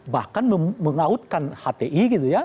bahkan mengautkan hti